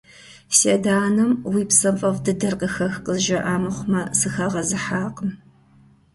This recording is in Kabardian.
Си адэ-анэм «уи псэм фӀэфӀ дыдэр къыхэх» къызжаӀа мыхъумэ, сыхагъэзыхьакъым.